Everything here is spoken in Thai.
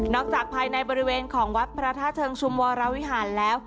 จากภายในบริเวณของวัดพระธาตุเชิงชุมวรวิหารแล้ว